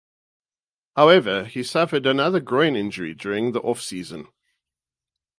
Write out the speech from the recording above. However, he suffered another groin injury during the offseason.